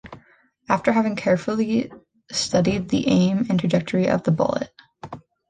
After having carefully studied the aim and trajectory of the bullet.